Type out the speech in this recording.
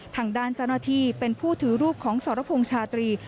ทางด้านเจ้าหน้าที่เป็นผู้ถือรูปของสรพงษ์ชาตรี